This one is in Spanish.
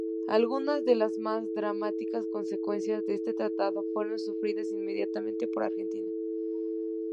Algunas de las más dramáticas consecuencias de este tratado fueron sufridas inmediatamente por Argentina.